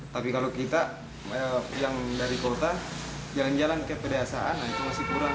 tapi kalau kita yang dari kota jalan jalan ke pedesaan itu masih kurang